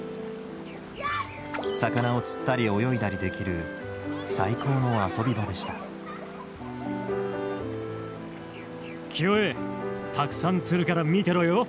魚を釣ったり泳いだりできる最高の遊び場でした清衛たくさん釣るから見てろよ。